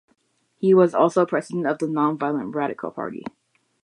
He was also President of the Nonviolent Radical Party.